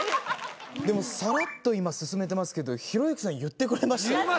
でもさらっと今進めてますけどひろゆきさん言ってくれましたよ。